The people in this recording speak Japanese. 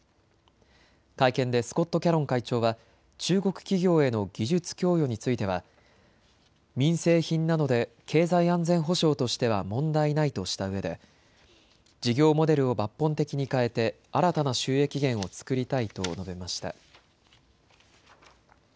会見でスコット・キャロン会長は中国企業への技術供与については民生品なので経済安全保障としては問題ないとしたうえで事業モデルを抜本的に変えて新たな収益源を作りたいと述べました。